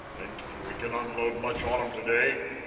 "Think we can unload much on 'em to day?"